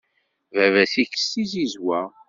Baba-s ikess tizizwa.